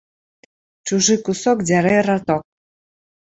Чужы кусок дзярэ раток